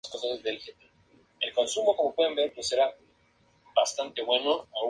Al final, un cierre en el rostro de Gokū le muestra sonriente.